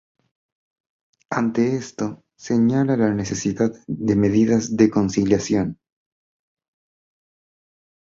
Ante esto, señala la necesidad de medidas de conciliación.